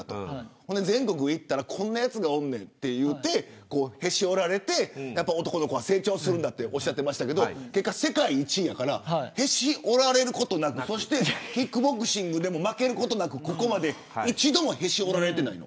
それが全国にいったらこんなやついるんだってへし折られて男の子は成長するとおっしゃってたんですけど結果、世界１位やからへし折られることなくキックボクシングでも負けることなくここまで一度もへし折られてないの。